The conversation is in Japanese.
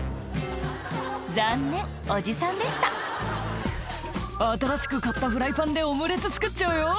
残念おじさんでした「新しく買ったフライパンでオムレツ作っちゃうよ」